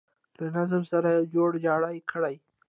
له نظام سره یې جوړ جاړی کړی.